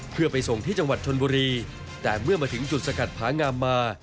เพื่อไปส่งที่จังหวัดชนบุรีแต่เมื่อมาถึงจุดสกัดผางามมา